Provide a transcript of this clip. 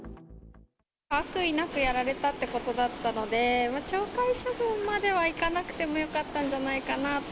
悪意なくやられたということだったので、懲戒処分まではいかなくてもよかったんじゃないかなと。